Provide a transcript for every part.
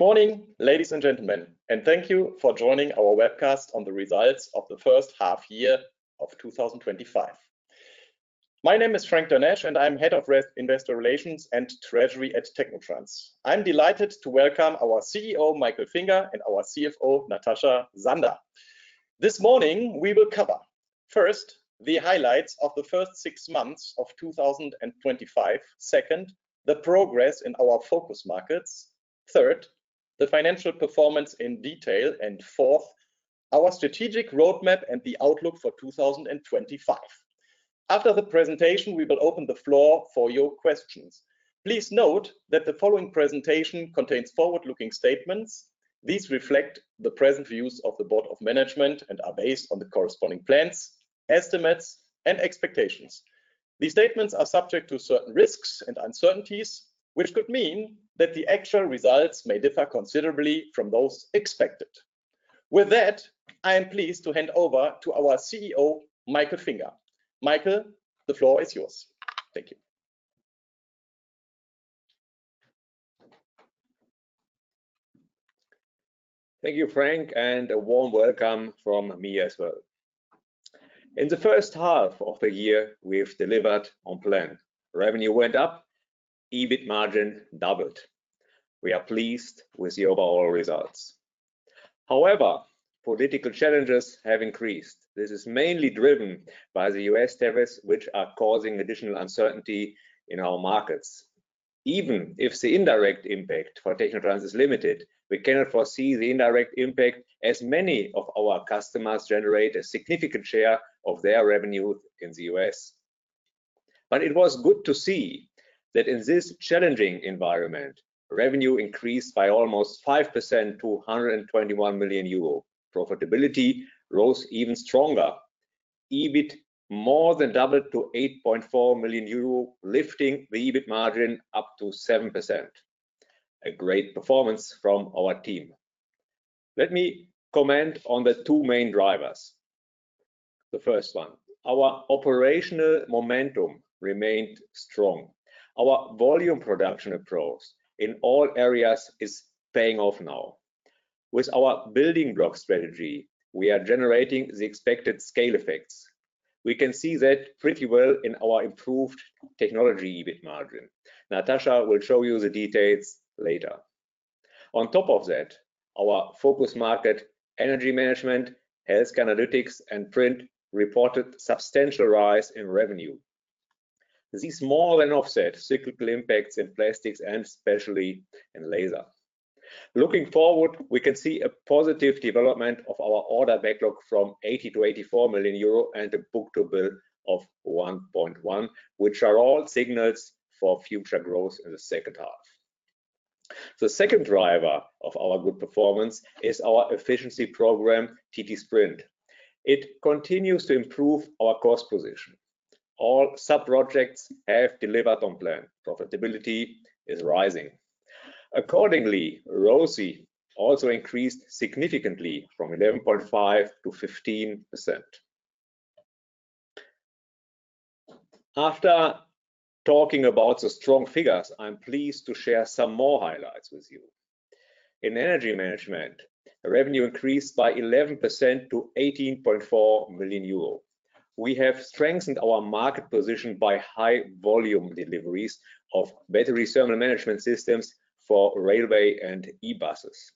Good morning, ladies and gentlemen, and thank you for joining our webcast on the results of the first half year of 2025. My name is Frank Dernesch, and I'm Head of Investor Relations and Treasury at Technotrans. I'm delighted to welcome our CEO, Michael Finger, and our CFO, Natascha Sander. This morning, we will cover, first, the highlights of the first six months of 2025. Second, the progress in our focus markets. Third, the financial performance in detail. Fourth, our strategic roadmap and the outlook for 2025. After the presentation, we will open the floor for your questions. Please note that the following presentation contains forward-looking statements. These reflect the present views of the board of management and are based on the corresponding plans, estimates, and expectations. These statements are subject to certain risks and uncertainties, which could mean that the actual results may differ considerably from those expected. With that, I am pleased to hand over to our CEO, Michael Finger. Michael, the floor is yours. Thank you. Thank you, Frank, and a warm welcome from me as well. In the first half of the year, we've delivered on plan. Revenue went up, EBIT margin doubled. We are pleased with the overall results. However, political challenges have increased. This is mainly driven by the U.S. tariffs, which are causing additional uncertainty in our markets. Even if the indirect impact for Technotrans is limited, we cannot foresee the indirect impact as many of our customers generate a significant share of their revenue in the U.S. It was good to see that in this challenging environment, revenue increased by almost 5% to 121 million euro. Profitability rose even stronger. EBIT more than doubled to 8.4 million euro, lifting the EBIT margin up to 7%. A great performance from our team. Let me comment on the two main drivers. The first one, our operational momentum remained strong. Our volume production approach in all areas is paying off now. With our building block strategy, we are generating the expected scale effects. We can see that pretty well in our improved technology EBIT margin. Natascha will show you the details later. Our focus market, Energy Management, Healthcare & Analytics, and Print, reported substantial rise in revenue. These more than offset cyclical impacts in Plastics and especially in Laser. Looking forward, we can see a positive development of our order backlog from 80 million-84 million euro and a book-to-bill of 1.1, which are all signals for future growth in the second half. The second driver of our good performance is our efficiency program, ttSprint. It continues to improve our cost position. All sub-projects have delivered on plan. Profitability is rising. Accordingly, ROCE also increased significantly from 11.5%-15%. After talking about the strong figures, I'm pleased to share some more highlights with you. In Energy Management, revenue increased by 11% to 18.4 million euro. We have strengthened our market position by high volume deliveries of battery thermal management systems for railway and e-buses.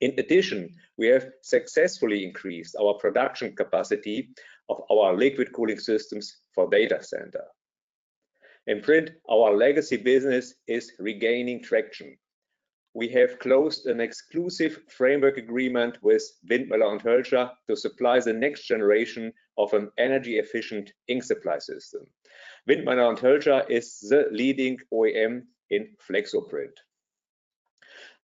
In addition, we have successfully increased our production capacity of our liquid cooling systems for data center. In Print, our legacy business is regaining traction. We have closed an exclusive framework agreement with Windmöller & Hölscher to supply the next generation of an energy-efficient ink supply system. Windmöller & Hölscher is the leading OEM in flexo print.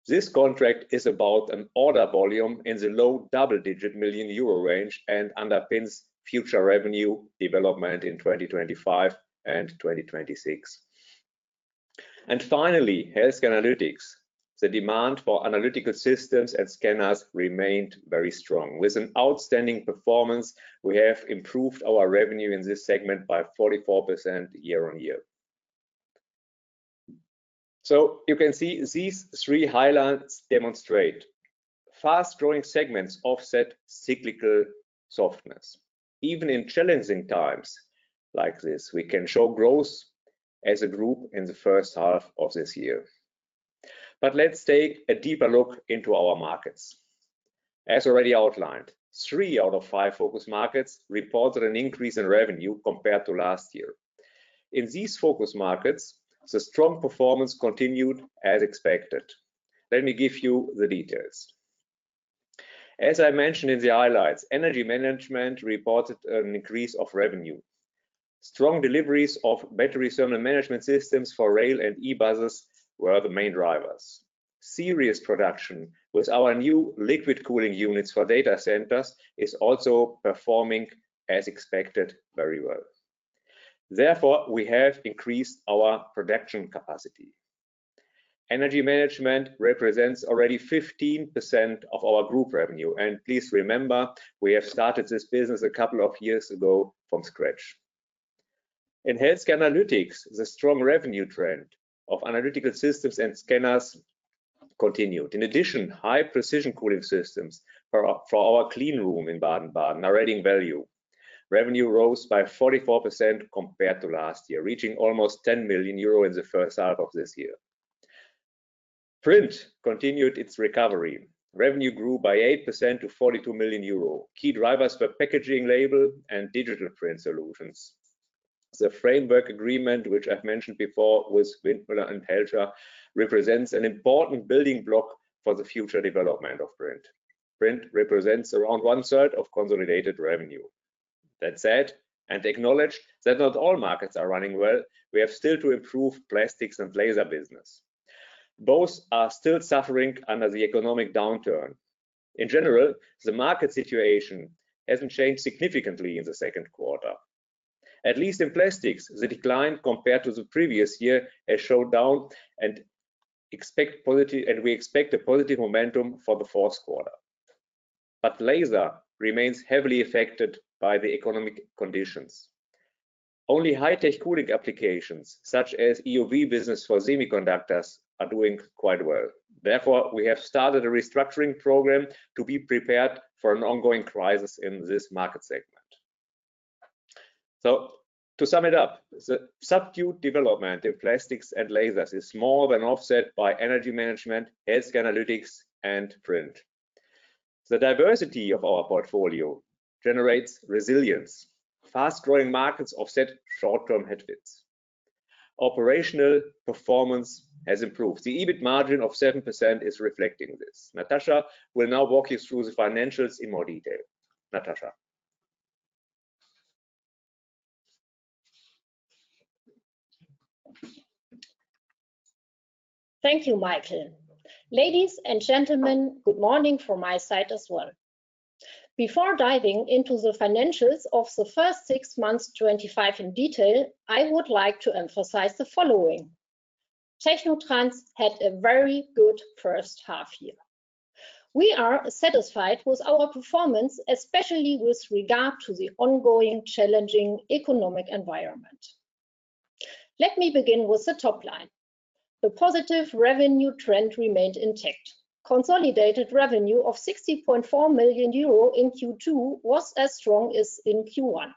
This contract is about an order volume in the low double-digit million EUR range and underpins future revenue development in 2025 and 2026. Finally, Healthcare & Analytics. The demand for analytical systems and scanners remained very strong. With an outstanding performance, we have improved our revenue in this segment by 44% year-on-year. You can see these three highlights demonstrate fast-growing segments offset cyclical softness. Even in challenging times like this, we can show growth as a group in the first half of this year. Let's take a deeper look into our markets. As already outlined, three out of five focus markets reported an increase in revenue compared to last year. In these focus markets, the strong performance continued as expected. Let me give you the details. As I mentioned in the highlights, Energy Management reported an increase of revenue. Strong deliveries of battery thermal management systems for rail and e-buses were the main drivers. Serious production with our new liquid cooling units for data centers is also performing as expected very well. Therefore, we have increased our production capacity. Energy Management represents already 15% of our group revenue. Please remember, we have started this business a couple of years ago from scratch. In Healthcare & Analytics, the strong revenue trend of analytical systems and scanners continued. In addition, high precision cooling systems for our clean room in Baden-Baden are adding value. Revenue rose by 44% compared to last year, reaching almost 10 million euro in the first half of this year. Print continued its recovery. Revenue grew by 8% to 42 million euro. Key drivers were packaging label and digital print solutions. The framework agreement, which I've mentioned before, with Windmöller & Hölscher represents an important building block for the future development of Print. Print represents around one-third of consolidated revenue. That said, and acknowledged, that not all markets are running well, we have still to improve Plastics and Laser business. Both are still suffering under the economic downturn. In general, the market situation hasn't changed significantly in the second quarter. At least in Plastics, the decline compared to the previous year has slowed down and we expect a positive momentum for the fourth quarter. Laser remains heavily affected by the economic conditions. Only high-tech cooling applications, such as EUV business for semiconductors, are doing quite well. Therefore, we have started a restructuring program to be prepared for an ongoing crisis in this market segment. To sum it up, the subdued development in Plastics and Laser is more than offset by Energy Management, Healthcare & Analytics, and Print. The diversity of our portfolio generates resilience. Fast-growing markets offset short-term headwinds. Operational performance has improved. The EBIT margin of 7% is reflecting this. Natascha will now walk you through the financials in more detail. Natascha. Thank you, Michael. Ladies and gentlemen, good morning from my side as well. Before diving into the financials of the first six months 2025 in detail, I would like to emphasize the following. Technotrans had a very good first half year. We are satisfied with our performance, especially with regard to the ongoing challenging economic environment. Let me begin with the top line. The positive revenue trend remained intact. Consolidated revenue of 60.4 million euro in Q2 was as strong as in Q1.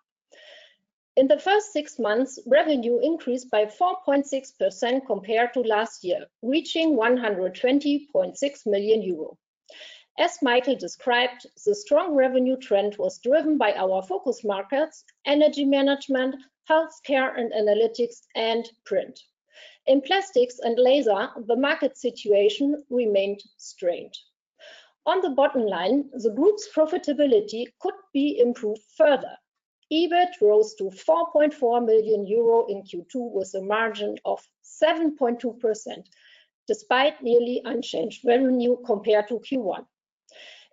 In the first six months, revenue increased by 4.6% compared to last year, reaching 120.6 million euro. As Michael described, the strong revenue trend was driven by our focus markets, Energy Management, Healthcare and Analytics, and Print. In Plastics and Laser, the market situation remained strained. On the bottom line, the group's profitability could be improved further. EBIT rose to 4.4 million euro in Q2 with a margin of 7.2% despite nearly unchanged revenue compared to Q1.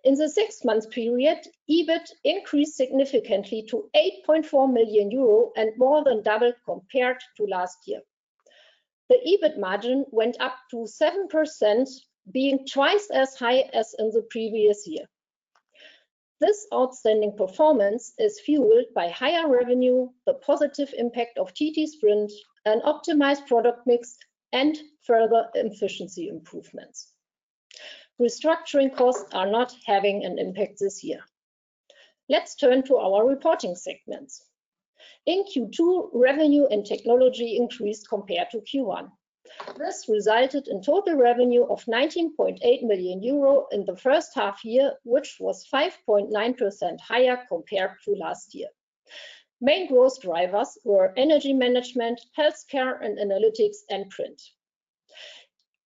In the six-month period, EBIT increased significantly to 8.4 million euro and more than doubled compared to last year. The EBIT margin went up to 7%, being twice as high as in the previous year. This outstanding performance is fueled by higher revenue, the positive impact of GT's Print, an optimized product mix, and further efficiency improvements. Restructuring costs are not having an impact this year. Let's turn to our reporting segments. In Q2, revenue in Technology increased compared to Q1. This resulted in total revenue of 19.8 million euro in the first half year, which was 5.9% higher compared to last year. Main growth drivers were Energy Management, Healthcare & Analytics, and Print.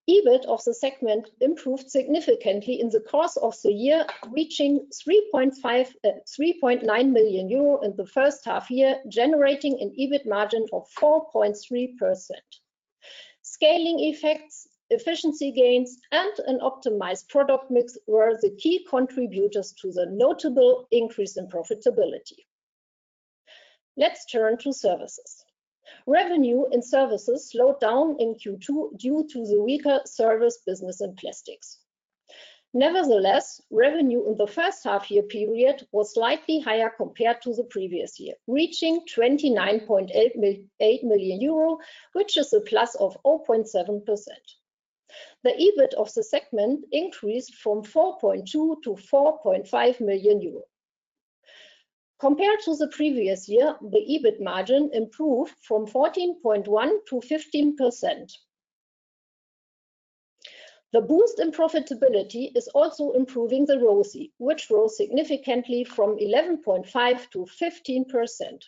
EBIT of the segment improved significantly in the course of the year, reaching 3.9 million euro in the first half-year, generating an EBIT margin of 4.3%. Scaling effects, efficiency gains, and an optimized product mix were the key contributors to the notable increase in profitability. Let's turn to Services. Revenue in Services slowed down in Q2 due to the weaker service business in Plastics. Nevertheless, revenue in the first half-year period was slightly higher compared to the previous year, reaching 29.8 million euro, which is a plus of 0.7%. The EBIT of the segment increased from 4.2 million-4.5 million euros. Compared to the previous year, the EBIT margin improved from 14.1%-15%. The boost in profitability is also improving the ROCE, which rose significantly from 11.5%-15%.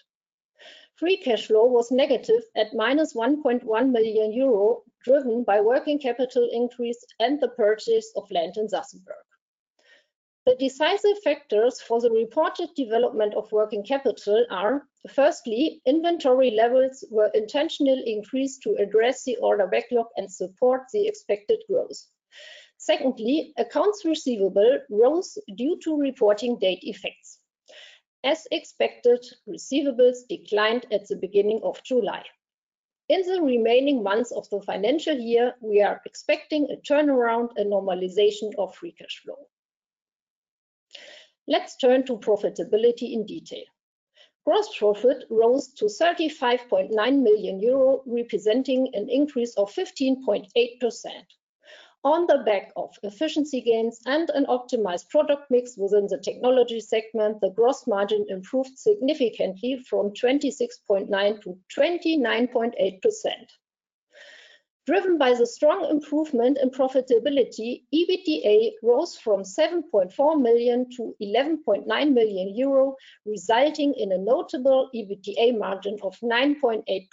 Free cash flow was negative at minus 1.1 million euro, driven by working capital increase and the purchase of land in Sassenberg. The decisive factors for the reported development of working capital are, firstly, inventory levels were intentionally increased to address the order backlog and support the expected growth. Secondly, accounts receivable rose due to reporting date effects. As expected, receivables declined at the beginning of July. In the remaining months of the financial year, we are expecting a turnaround and normalization of free cash flow. Let's turn to profitability in detail. Gross profit rose to 35.9 million euro, representing an increase of 15.8%. On the back of efficiency gains and an optimized product mix within the Technology segment, the gross margin improved significantly from 26.9%-29.8%. Driven by the strong improvement in profitability, EBITDA rose from 7.4 million-11.9 million euro, resulting in a notable EBITDA margin of 9.8%.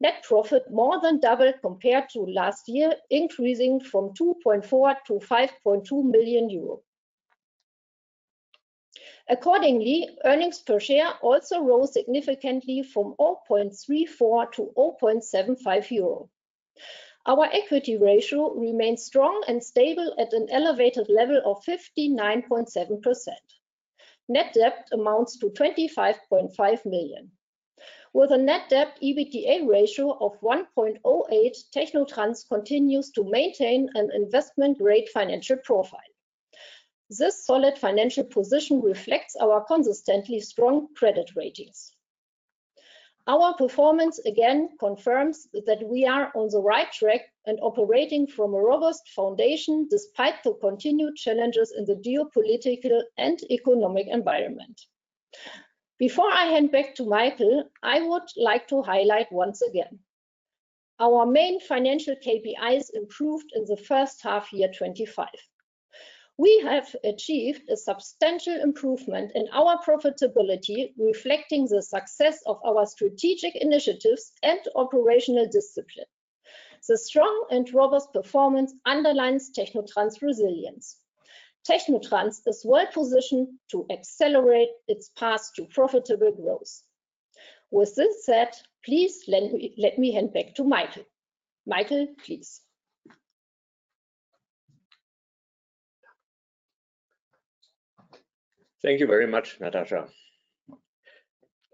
Net profit more than doubled compared to last year, increasing from 2.4 million-5.2 million euros. Accordingly, earnings per share also rose significantly from 0.34-0.75 euro. Our equity ratio remains strong and stable at an elevated level of 59.7%. Net debt amounts to 25.5 million. With a net debt EBITDA ratio of 1.08, Technotrans continues to maintain an investment-grade financial profile. This solid financial position reflects our consistently strong credit ratings. Our performance again confirms that we are on the right track and operating from a robust foundation despite the continued challenges in the geopolitical and economic environment. Before I hand back to Michael, I would like to highlight once again our main financial KPIs improved in the first half year 2025. We have achieved a substantial improvement in our profitability, reflecting the success of our strategic initiatives and operational discipline. The strong and robust performance underlines Technotrans' resilience. Technotrans is well-positioned to accelerate its path to profitable growth. With this said, please let me hand back to Michael. Michael, please. Thank you very much, Natascha.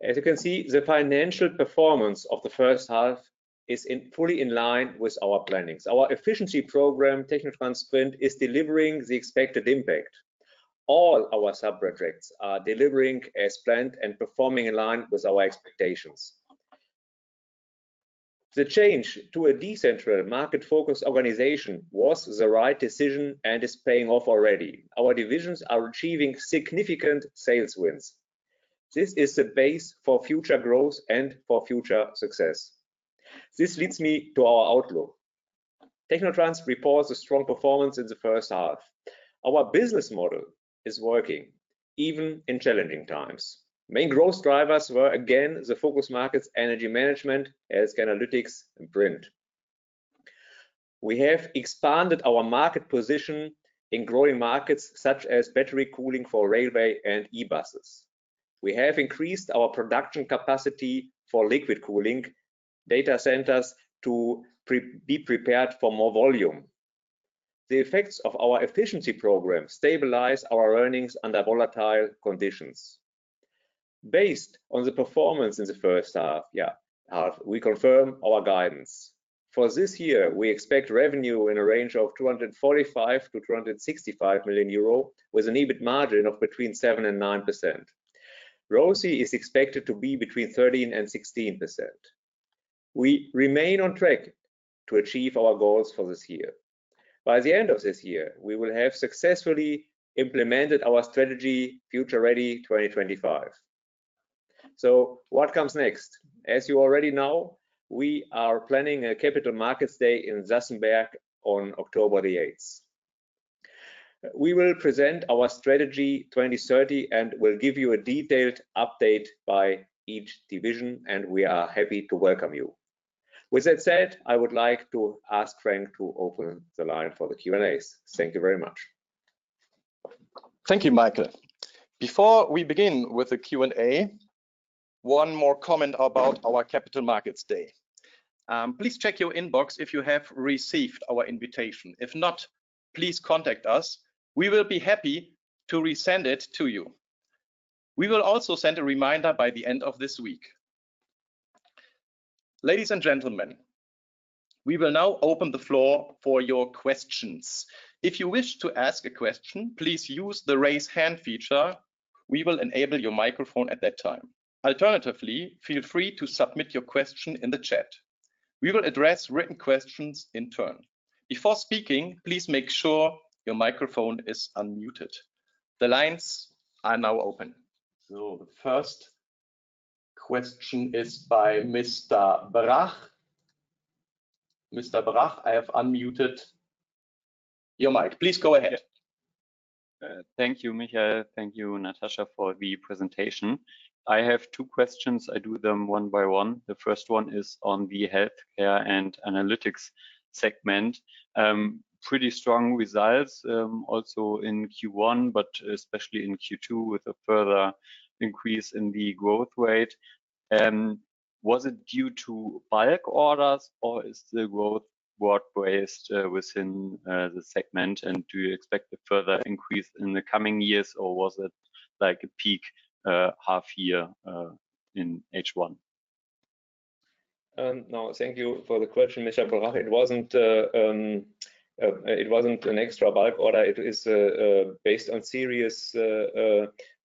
As you can see, the financial performance of the first half is fully in line with our plannings. Our efficiency program, ttSprint, is delivering the expected impact. All our sub-projects are delivering as planned and performing in line with our expectations. The change to a decentralized market-focused organization was the right decision and is paying off already. Our divisions are achieving significant sales wins. This is the base for future growth and for future success. This leads me to our outlook. Technotrans reports a strong performance in the first half. Our business model is working even in challenging times. Main growth drivers were again the focus markets Energy Management as Analytics and Print. We have expanded our market position in growing markets such as battery cooling for railway and e-buses. We have increased our production capacity for liquid cooling units to be prepared for more volume. The effects of our efficiency program stabilize our earnings under volatile conditions. Based on the performance in the first half, we confirm our guidance. For this year, we expect revenue in a range of 245 million-265 million euro with an EBIT margin of between 7% and 9%. ROCE is expected to be between 13% and 16%. We remain on track to achieve our goals for this year. By the end of this year, we will have successfully implemented our strategy Future Ready 2025. What comes next? As you already know, we are planning a Capital Markets Day in Sassenberg on October 8th. We will present our strategy 2030 and will give you a detailed update by each division, and we are happy to welcome you. With that said, I would like to ask Frank to open the line for the Q&As. Thank you very much. Thank you, Michael. Before we begin with the Q&A, one more comment about our Capital Markets Day. Please check your inbox if you have received our invitation. If not, please contact us. We will be happy to resend it to you. We will also send a reminder by the end of this week. Ladies and gentlemen, we will now open the floor for your questions. If you wish to ask a question, please use the raise hand feature. We will enable your microphone at that time. Alternatively, feel free to submit your question in the chat. We will address written questions in turn. Before speaking, please make sure your microphone is unmuted. The lines are now open. The first question is by Mr. Brach. Mr. Brach, I have unmuted your mic. Please go ahead. Thank you, Michael. Thank you, Natascha, for the presentation. I have two questions. I do them one by one. The first one is on the Healthcare & Analytics segment. Pretty strong results, also in Q1, but especially in Q2 with a further increase in the growth rate. Was it due to BIAC orders, or is the growth broad-based within the segment? Do you expect a further increase in the coming years, or was it like a peak half year in H1? No, thank you for the question, Mr. Brach. It wasn't an extra bulk order. It is based on series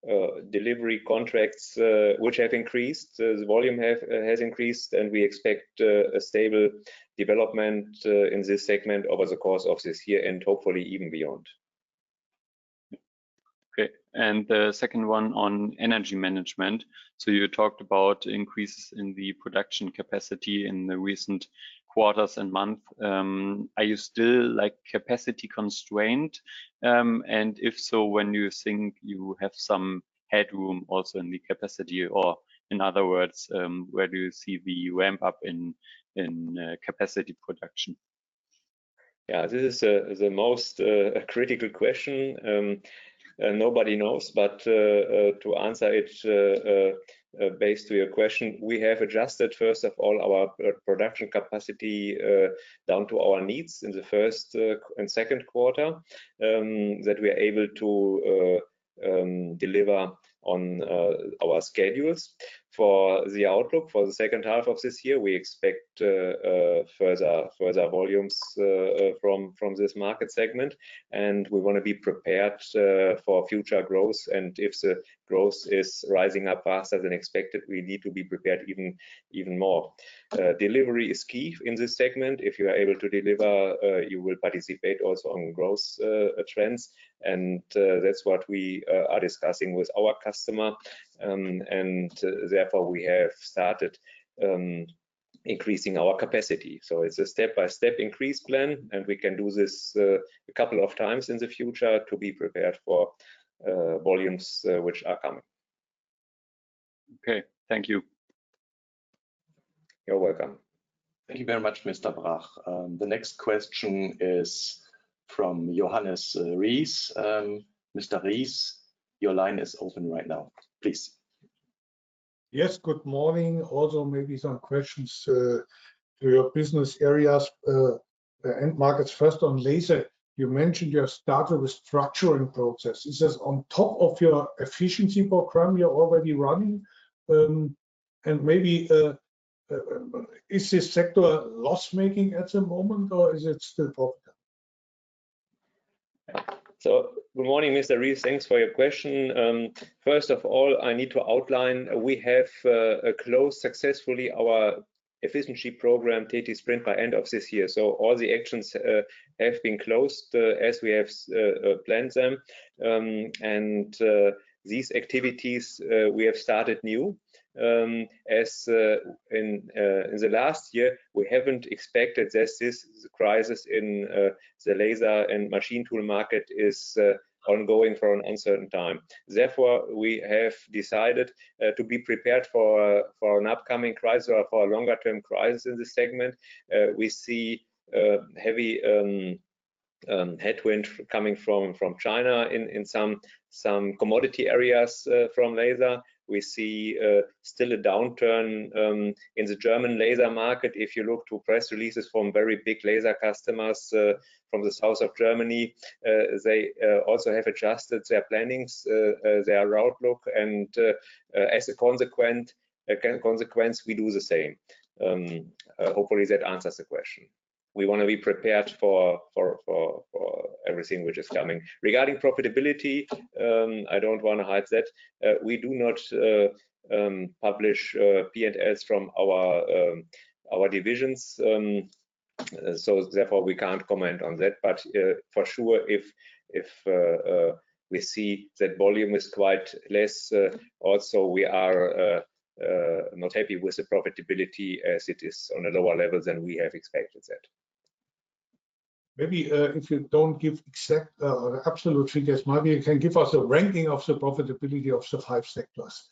delivery contracts which have increased. The volume has increased, and we expect a stable development in this segment over the course of this year and hopefully even beyond. Okay. The second one on Energy Management. You talked about increases in the production capacity in the recent quarters and month. Are you still, like, capacity constrained? If so, when you think you have some headroom also in the capacity, or in other words, where do you see the ramp-up in capacity production? This is the most critical question. Nobody knows, to answer it based to your question, we have adjusted, first of all, our production capacity down to our needs in the first and second quarter, that we are able to deliver on our schedules. For the outlook for the second half of this year, we expect further volumes from this market segment, we want to be prepared for future growth, and if the growth is rising up faster than expected, we need to be prepared even more. Delivery is key in this segment. If you are able to deliver, you will participate also on growth trends, that's what we are discussing with our customer. Therefore, we have started increasing our capacity. It's a step-by-step increase plan, and we can do this a couple of times in the future to be prepared for volumes which are coming. Okay. Thank you. You're welcome. Thank you very much, Mr. Brach. The next question is from Johannes Rees. Mr. Rees, your line is open right now, please. Yes, good morning. Also, maybe some questions to your business areas, end markets. First on Laser, you mentioned you have started a structuring process. Is this on top of your efficiency program you're already running? And maybe, is this sector loss-making at the moment, or is it still profitable? Good morning, Mr. Rees. Thanks for your question. First of all, I need to outline, we have closed successfully our efficiency program, ttSprint, by end of this year. All the actions have been closed as we have planned them. These activities we have started new. As in the last year, we haven't expected that this crisis in the Laser and machine tool market is ongoing for an uncertain time. Therefore, we have decided to be prepared for an upcoming crisis or for a longer-term crisis in this segment. We see heavy headwind coming from China in some commodity areas from Laser. We see still a downturn in the German Laser market. If you look to press releases from very big Laser customers, from the south of Germany, they also have adjusted their plannings, their outlook, as a consequence, we do the same. Hopefully, that answers the question. We wanna be prepared for everything which is coming. Regarding profitability, I don't wanna hide that we do not publish P&Ls from our divisions. Therefore, we can't comment on that. For sure, if we see that volume is quite less, also, we are not happy with the profitability as it is on a lower level than we have expected that. Maybe, if you don't give exact, or absolute figures, maybe you can give us a ranking of the profitability of the five sectors.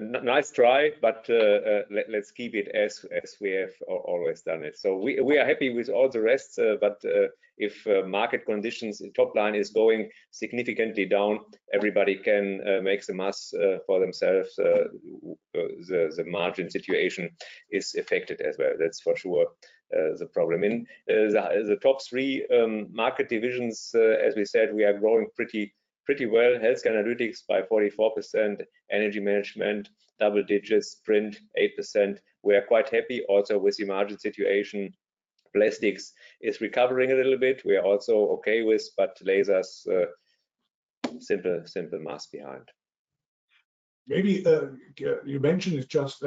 Nice try, let's keep it as we have always done it. We are happy with all the rest, but if market conditions, top line is going significantly down, everybody can make the math for themselves. The margin situation is affected as well. That's for sure the problem. In the top three market divisions, as we said, we are growing pretty well. Health Analytics by 44%, Energy Management double digits, Print 8%. We are quite happy also with the margin situation. Plastics is recovering a little bit. We are also okay with, but Laser simple math behind. Maybe, you mentioned it just,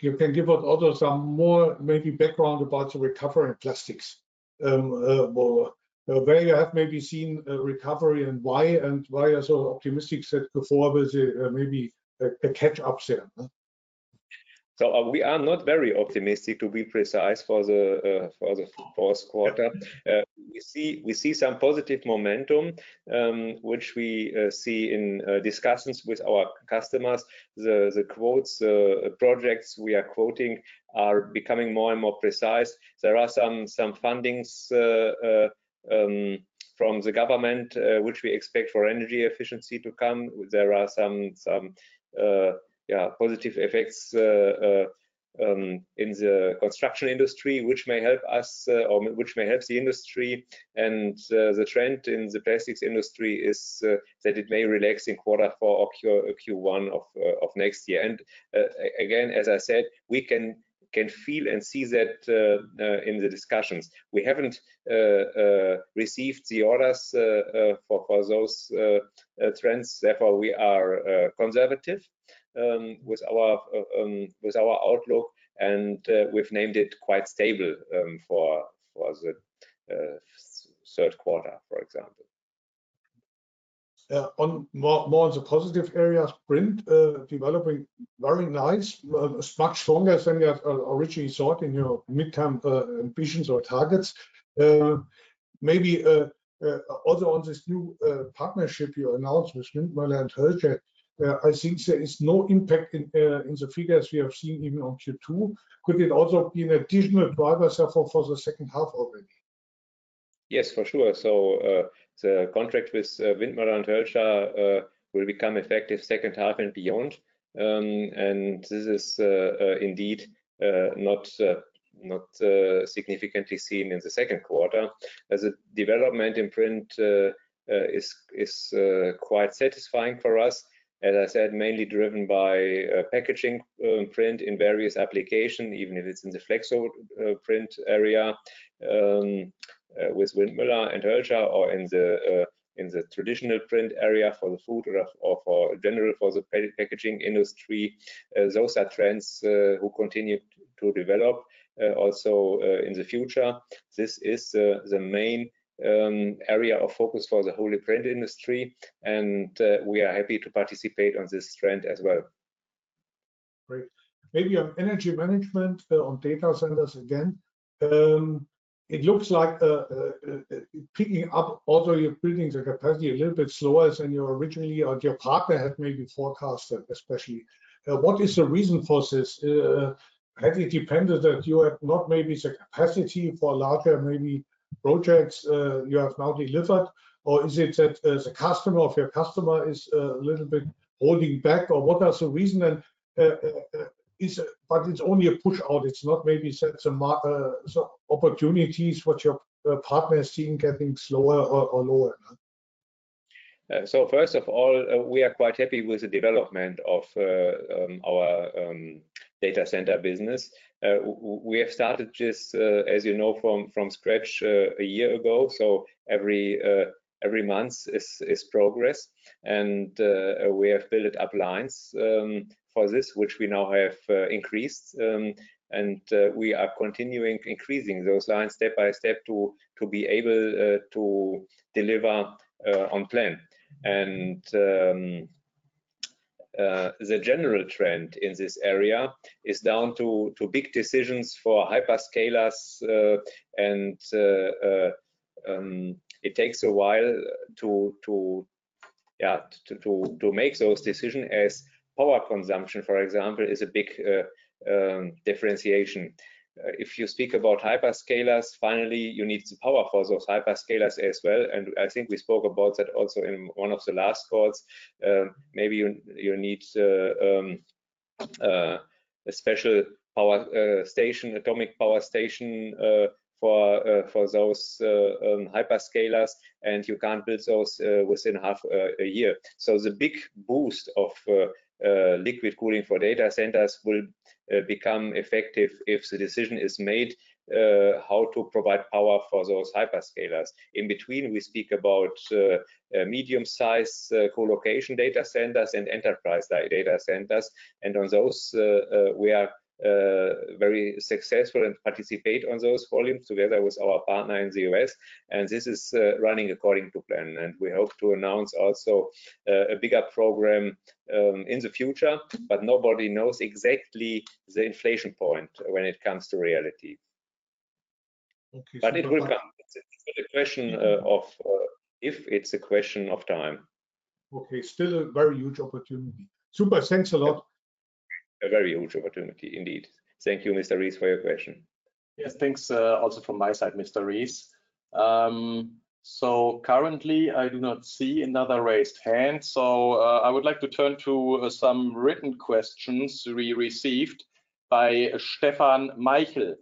you can give us also some more maybe background about the recovery in Plastics. Well, where you have maybe seen a recovery and why, and why you are so optimistic that before was a maybe a catch-up sale, huh? We are not very optimistic, to be precise, for the fourth quarter. We see some positive momentum, which we see in discussions with our customers. The quotes, projects we are quoting are becoming more and more precise. There are some fundings From the government, which we expect for energy efficiency to come. There are some positive effects in the construction industry which may help us or which may help the industry. The trend in the plastics industry is that it may relax in quarter four or Q1 of next year. Again, as I said, we can feel and see that in the discussions. We haven't received the orders for those trends, therefore we are conservative with our outlook and we've named it quite stable for the third quarter, for example. More on the positive areas, Print, developing very nice. It's much stronger than we have originally thought in, you know, midterm ambitions or targets. Maybe also on this new partnership you announced with Windmöller & Hölscher, I think there is no impact in the figures we have seen even on Q2. Could it also be an additional driver, say, for the second half already? Yes, for sure. The contract with Windmöller & Hölscher will become effective second half and beyond. This is indeed not significantly seen in the second quarter as the development in Print is quite satisfying for us. As I said, mainly driven by packaging Print in various application, even if it's in the flexo Print area with Windmöller & Hölscher or in the traditional Print area for the food or for general for the packaging industry. Those are trends who continue to develop also in the future. This is the main area of focus for the whole Print industry, and we are happy to participate on this trend as well. Great. Maybe on Energy Management, on data centers again. It looks like picking up also you're building the capacity a little bit slower than you originally or your partner had maybe forecasted especially. What is the reason for this? Has it depended that you have not maybe the capacity for larger maybe projects, you have now delivered? Or is it that the customer of your customer is a little bit holding back, or what are the reason? Is it, But it's only a push out, it's not maybe set some opportunities what your partner is seeing getting slower or lower? First of all, we are quite happy with the development of our data center business. We have started just, as you know, from scratch a year ago, every month is progress. We have built up lines for this, which we now have increased. We are continuing increasing those lines step by step to be able to deliver on plan. The general trend in this area is down to big decisions for hyperscalers, it takes a while to make those decision as power consumption, for example, is a big differentiation. If you speak about hyperscalers, finally you need the power for those hyperscalers as well. I think we spoke about that also in one of the last calls. Maybe you need a special power station, atomic power station, for those hyperscalers. You can't build those within half a year. The big boost of liquid cooling for data centers will become effective if the decision is made how to provide power for those hyperscalers. In between, we speak about medium size co-location data centers and enterprise data centers. On those, we are very successful and participate on those volumes together with our partner in the U.S., and this is running according to plan, and we hope to announce also a bigger program in the future, but nobody knows exactly the inflection point when it comes to reality. Okay. It will come. It's a question of if, it's a question of time. Okay. Still a very huge opportunity. Super. Thanks a lot. A very huge opportunity indeed. Thank you, Mr. Rees, for your question. Yes. Thanks, also from my side, Mr. Rees. Currently I do not see another raised hand, so I would like to turn to some written questions we received by Stefan Michael.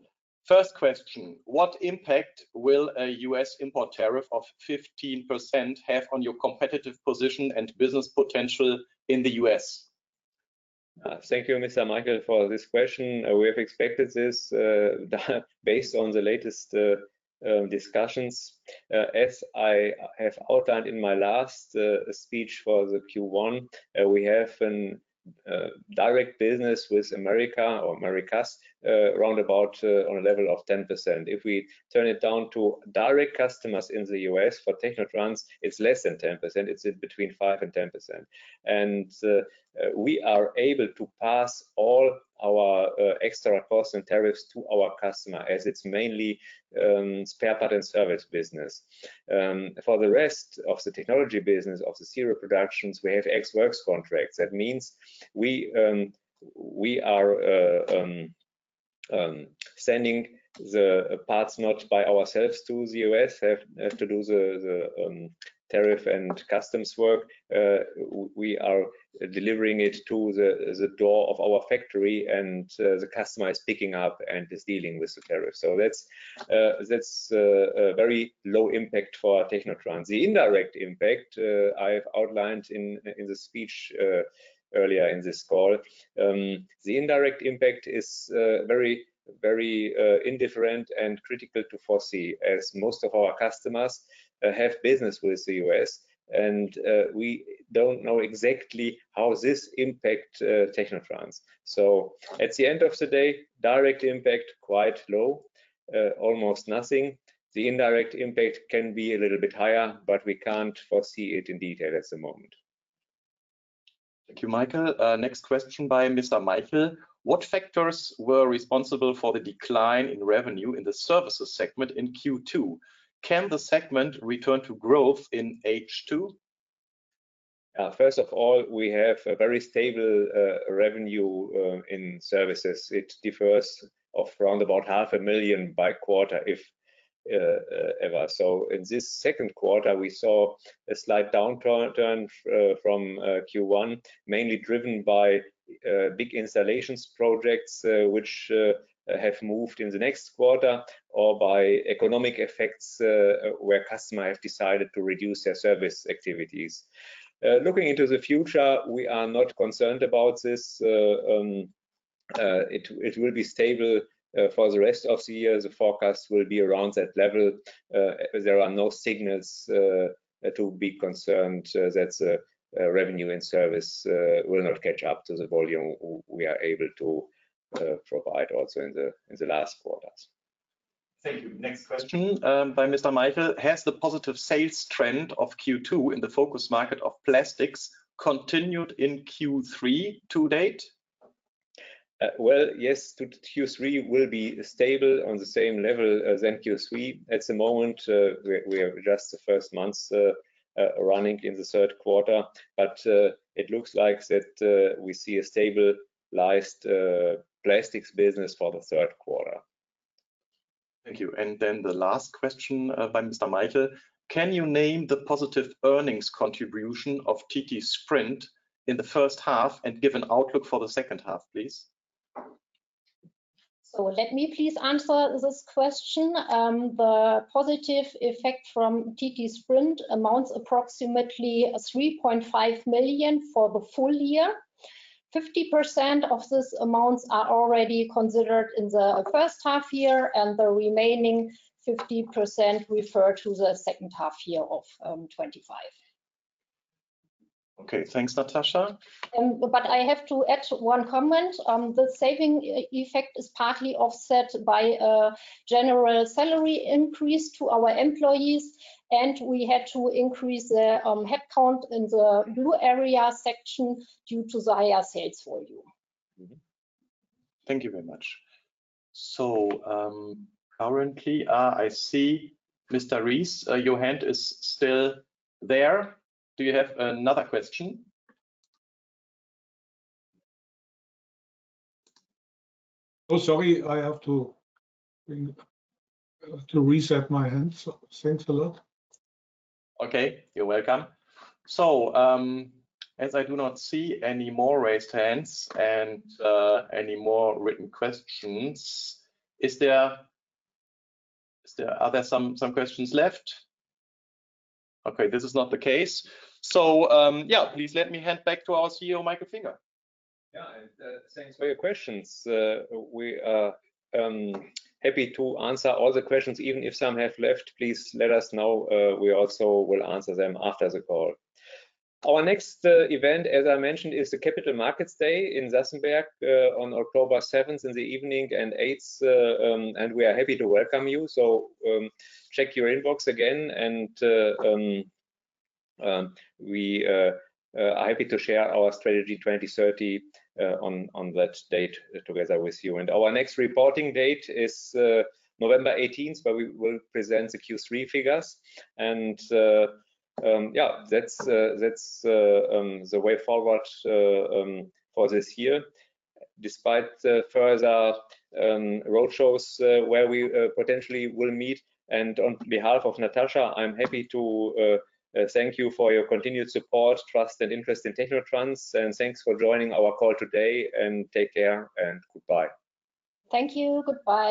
First question: What impact will a U.S. import tariff of 15% have on your competitive position and business potential in the U.S.? Thank you, Mr. Michael, for this question. We have expected this based on the latest discussions. As I have outlined in my last speech for the Q1, we have an direct business with America or Americas around about on a level of 10%. If we turn it down to direct customers in the U.S. for Technotrans, it's less than 10%, it's in between 5%-10%. We are able to pass all our extra costs and tariffs to our customer as it's mainly spare part and service business. For the rest of the Technology business, of the serial productions, we have Ex Works contracts. That means we are sending the parts not by ourselves to the U.S. Have to do the tariff and customs work. We are delivering it to the door of our factory, the customer is picking up and is dealing with the tariff. That's a very low impact for Technotrans. The indirect impact I've outlined in the speech earlier in this call. The indirect impact is very, very indifferent and critical to foresee, as most of our customers have business with the U.S. and we don't know exactly how this impact Technotrans. At the end of the day, direct impact, quite low, almost nothing. The indirect impact can be a little bit higher, but we can't foresee it in detail at the moment. Thank you, Michael. next question by Mr. Michael. What factors were responsible for the decline in revenue in the Services segment in Q2? Can the segment return to growth in H2? First of all, we have a very stable revenue in services. It differs of around about half a million by quarter, if ever. In this second quarter, we saw a slight downturn from Q1, mainly driven by big installations projects, which have moved in the next quarter or by economic effects, where customer have decided to reduce their service activities. Looking into the future, we are not concerned about this. It will be stable for the rest of the year. The forecast will be around that level. There are no signals to be concerned that revenue and service will not catch up to the volume we are able to provide also in the last quarters. Thank you. Next question by Mr. Michael. Has the positive sales trend of Q2 in the focus market of Plastics continued in Q3 to date? Well, yes, to Q3 will be stable on the same level as in Q3. At the moment, we have just the first months running in the third quarter, but it looks like that we see a stabilized Plastics business for the third quarter. Thank you. The last question by Mr. Michael. Can you name the positive earnings contribution of ttSprint in the first half and give an outlook for the second half, please? Let me please answer this question. The positive effect from ttSprint amounts approximately 3.5 million for the full year. 50% of this amounts are already considered in the first half, and the remaining 50% refer to the second half of 2025. Okay. Thanks, Natascha. I have to add one comment. The saving effect is partly offset by a general salary increase to our employees, and we had to increase the headcount in the blue area section due to the higher sales volume. Thank you very much. Currently, I see Mr. Rees, your hand is still there. Do you have another question? Oh, sorry. To reset my hand. Thanks a lot. Okay, you're welcome. As I do not see any more raised hands and any more written questions, Are there some questions left? Okay, this is not the case. Please let me hand back to our CEO, Michael Finger. Yeah. Thanks for your questions. We are happy to answer all the questions. Even if some have left, please let us know. We also will answer them after the call. Our next event, as I mentioned, is the Capital Markets Day in Sassenberg on October 7th in the evening and 8th. We are happy to welcome you. Check your inbox again. We are happy to share our strategy 2030 on that date together with you. Our next reporting date is November 18th, where we will present the Q3 figures. That's the way forward for this year, despite the further road shows where we potentially will meet. On behalf of Natascha, I'm happy to thank you for your continued support, trust and interest in Technotrans, and thanks for joining our call today and take care and goodbye. Thank you. Goodbye.